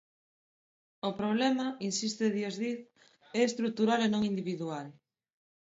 O problema, insiste Dios Diz, é estrutural e non individual.